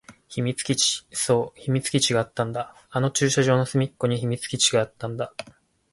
秘密基地。そう、秘密基地があったんだ。あの駐車場の隅っこに秘密基地があったんだ。